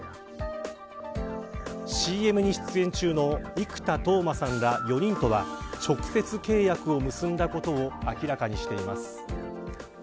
ＣＭに出演中の生田斗真さんら４人とは直接契約を結んだことを明らかにしています。